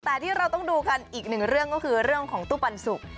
แต่ที่เราต้องดูกันอีกหนึ่งเรื่องก็คือเรื่องของตู้ปันสุก